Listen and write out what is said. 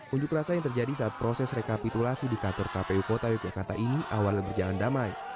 unjuk rasa yang terjadi saat proses rekapitulasi di kantor kpu kota yogyakarta ini awalnya berjalan damai